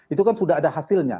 itu kan sudah ada hasilnya